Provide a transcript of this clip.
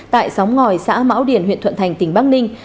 tại sóng ngòi xã mão điển huyện thuận thành tỉnh bắc ninh